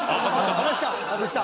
［離した］